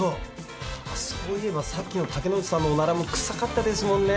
そういえばさっきの武内さんのおならも臭かったですもんね。